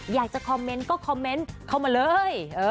อยากจะคอมเมนต์ก็คอมเมนต์เข้ามาเลย